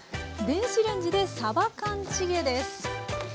電子レンジでさば缶チゲです。